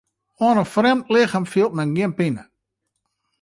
Oan in frjemd lichem fielt men gjin pine.